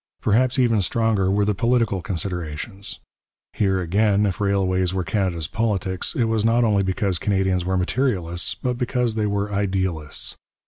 Perhaps even stronger were the political considerations. Here, again, if railways were Canada's politics, it was not only because Canadians were materialists, but because they were idealists.